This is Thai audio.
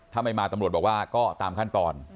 ถ้าไม่มาตำรวจบอกว่าก็ตามขั้นตอน